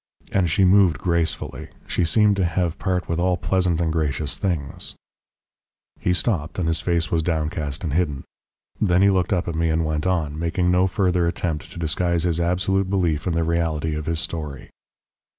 And she moved gracefully, she seemed to have part with all pleasant and gracious things " He stopped, and his face was downcast and hidden. Then he looked up at me and went on, making no further attempt to disguise his absolute belief in the reality of his story.